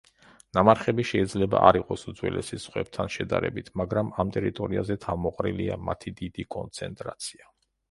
ნამარხები შეიძლება არ იყოს უძველესი სხვებთან შედარებით, მაგრამ ამ ტერიტორიაზე თავმოყრილია მათი დიდი კონცენტრაცია.